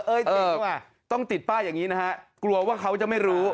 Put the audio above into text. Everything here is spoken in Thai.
เอ้ยเตรียมไหมต้องติดป้ายอย่างงี้นะฮะกลัวว่าเขาจะไม่รู้